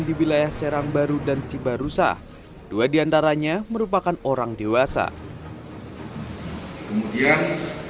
di wilayah serang baru dan cibarusah dua diantaranya merupakan orang dewasa kemudian